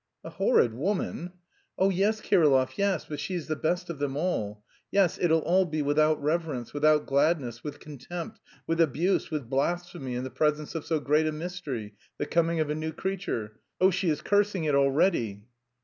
"A horrid woman!" "Oh, yes, Kirillov, yes, but she is the best of them all. Yes, it'll all be without reverence, without gladness, with contempt, with abuse, with blasphemy in the presence of so great a mystery, the coming of a new creature! Oh, she is cursing it already!"